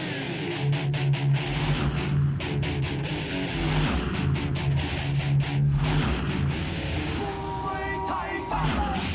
นี้เสียงของ๒คนนี้ก็มีหลายคนสำคัญ